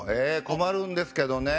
困るんですけどね。